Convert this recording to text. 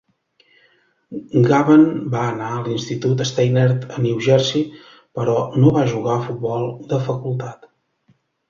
Gaven va anar a l'Institut Steinert a New Jersey, però no va jugar a futbol de facultat.